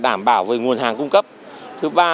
đảm bảo về nguồn hàng cung cấp thứ ba